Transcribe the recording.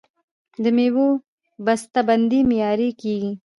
د میوو بسته بندي معیاري کیږي.